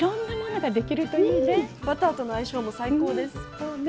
そうね。